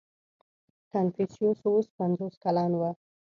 • کنفوسیوس اوس پنځوس کلن و.